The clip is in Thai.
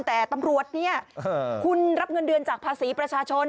แต่ตำรวจเนี่ยคุณรับเงินเดือนจากภาษีประชาชน